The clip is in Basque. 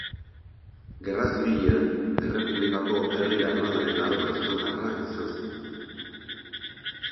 Gerra Zibilean, Errepublikako Herri Armadaren arma estandarra izan zen.